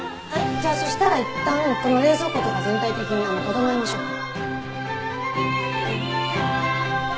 じゃあそしたらいったんこの冷蔵庫とか全体的に整えましょうか。